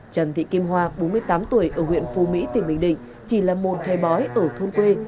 trần thị kim hoa bốn mươi tám tuổi ở huyện phu mỹ tỉnh bình định chỉ là một thầy bói ở thôn quê